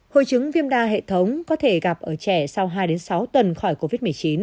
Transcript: hội chứng viêm đa hệ thống có thể gặp ở trẻ sau hai sáu tuần khỏi covid một mươi chín